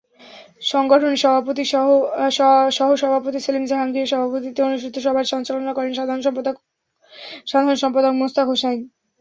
সংগঠনের সহসভাপতি সেলিম জাহাঙ্গীরের সভাপতিত্বে অনুষ্ঠিত সভার সঞ্চালনা করেন সাধারণ সম্পাদক মোস্তাক হোসাইন।